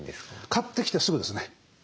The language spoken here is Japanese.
買ってきてすぐですね。